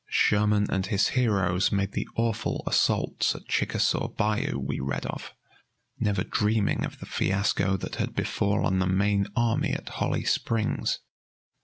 Sherman and his heroes made the awful assaults at Chickasaw bayou we read of, never dreaming of the fiasco that had befallen the main army at Holly Springs.